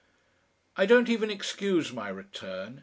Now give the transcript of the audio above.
I don't even excuse my return.